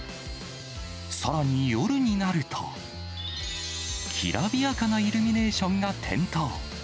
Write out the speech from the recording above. さらに夜になると、きらびやかなイルミネーションが点灯。